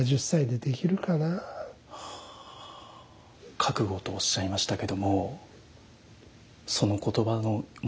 覚悟とおっしゃいましたけどもその言葉の持つ意味というのは。